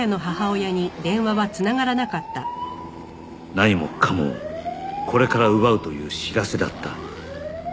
何もかもをこれから奪うという知らせだった